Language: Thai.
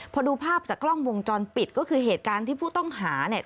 พอดูภาพจากกล้องวงจรปิดก็คือเหตุการณ์ที่ผู้ต้องหาเนี่ย